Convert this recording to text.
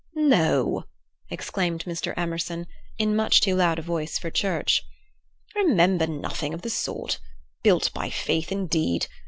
"No!" exclaimed Mr. Emerson, in much too loud a voice for church. "Remember nothing of the sort! Built by faith indeed!